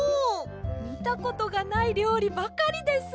みたことがないりょうりばかりです。